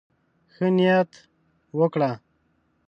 ښه نيت وکړه.